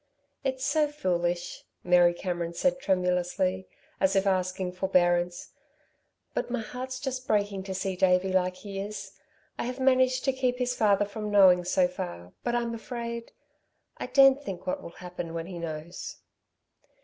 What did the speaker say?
"It's so foolish," Mary Cameron said tremulously, as if asking forbearance, "but my heart's just breaking to see Davey like he is! I have managed to keep his father from knowing, so far, but I'm afraid I daren't think what will happen when he knows."